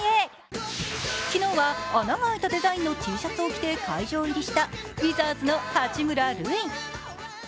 昨日は穴が開いたデザインのＴシャツを着て会場入りしたウィザーズの八村塁。